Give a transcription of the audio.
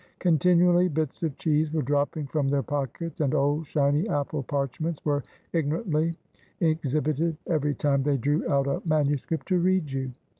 Continually bits of cheese were dropping from their pockets, and old shiny apple parchments were ignorantly exhibited every time they drew out a manuscript to read you.